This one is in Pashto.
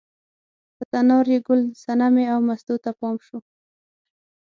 په تنار یې ګل صنمې او مستو ته پام شو.